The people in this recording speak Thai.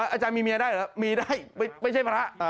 อาจารย์มีเมียได้เหรอมีได้ไม่ใช่พระ